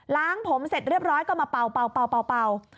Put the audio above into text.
ล้างผมเสร็จเรียบร้อยก็มาเป่า